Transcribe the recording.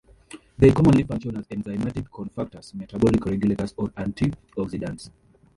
They commonly function as enzymatic cofactors, metabolic regulators or antioxidants.